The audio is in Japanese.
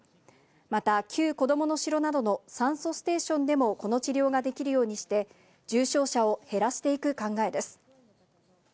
また旧こどもの城などの酸素ステーションでもこの治療ができるようにして、重症者を減らしていく考えです。